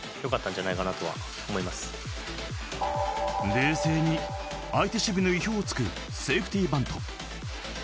冷静に相手守備の意表を突くセーフティーバント。